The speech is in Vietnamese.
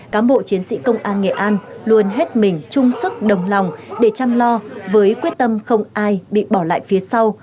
cám bộ chiến sĩ công an nghệ an luôn hết mình chung sức đồng lòng để chăm lo với quyết tâm không ai bị bỏ lại phía sau